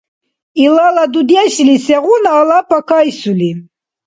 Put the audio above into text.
Илала дудешли сегъуна алапа кайсули?